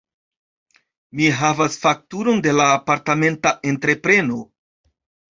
Mi havas fakturon de la apartamenta entrepreno.